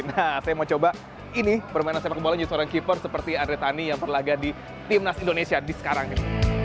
nah saya mau coba ini permainan sepak bola juga seorang keeper seperti andre tani yang berlaga di timnas indonesia di sekarang ini